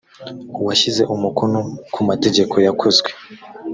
uwashyize umukono ku mategeko yakozwe